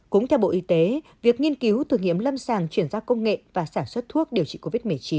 cũng theo bộ y tế việc nghiên cứu thử nghiệm lâm sàng chuyển giao công nghệ và sản xuất thuốc điều trị covid một mươi chín